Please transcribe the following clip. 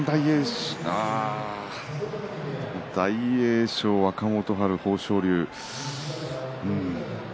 大栄翔、若元春、豊昇龍うーん